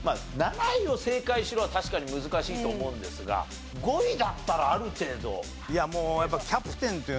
「７位を正解しろ」は確かに難しいと思うんですが５位だったらある程度。